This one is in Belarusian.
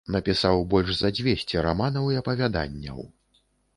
Напісаў больш за дзвесце раманаў і апавяданняў.